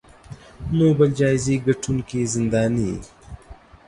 نوبل جایزې ګټونکې زنداني